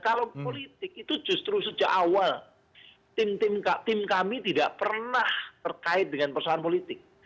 kalau politik itu justru sejak awal tim kami tidak pernah terkait dengan persoalan politik